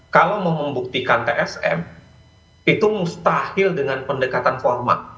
kalau mau membuktikan tsm itu mustahil dengan pendekatan format